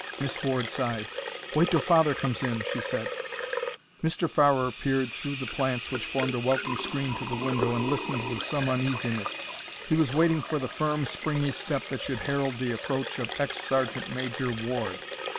Miss Ward sighed. "Wait till father comes in," she said. Mr. Farrer peered through the plants which formed a welcome screen to the window and listened with some uneasiness. He was waiting for the firm, springy step that should herald the approach of ex Sergeant Major Ward.